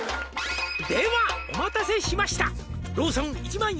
「ではお待たせしました」